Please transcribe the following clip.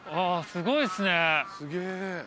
すごいっすね。